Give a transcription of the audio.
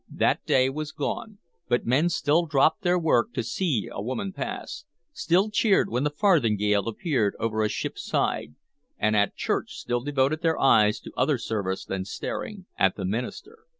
That day was gone, but men still dropped their work to see a woman pass, still cheered when a farthingale appeared over a ship's side, and at church still devoted their eyes to other service than staring at the minister.